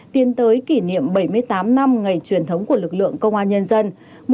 tiến tới kỷ niệm bảy mươi tám năm ngày truyền thống của lực lượng công an nhân dân